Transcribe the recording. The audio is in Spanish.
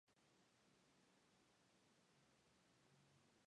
Un prisma de Nicol consiste en un cristal de calcita cortado en dos mitades.